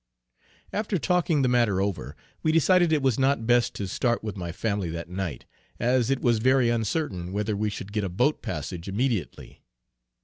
After talking the matter over, we decided it was not best to start with my family that night, as it was very uncertain whether we should get a boat passage immediately.